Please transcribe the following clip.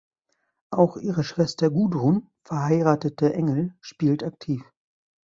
Auch ihre Schwester Gudrun (verheiratete Engel) spielt aktiv.